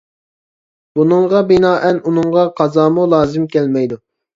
بۇنىڭغا بىنائەن، ئۇنىڭغا قازامۇ لازىم كەلمەيدۇ.